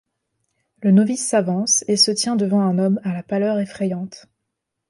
Le novice s’avance et se tient devant un homme à la pâleur effrayante.